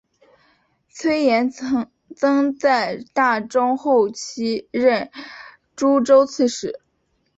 崔彦曾在大中后期任诸州刺史。